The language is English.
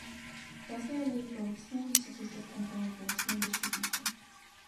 Thus they obey Boltzmann statistics and form a Boltzmann distribution.